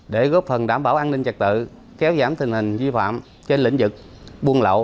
để góp phần đảm bảo an ninh trật tự kéo giảm tình hình vi phạm trên lĩnh vực buôn lậu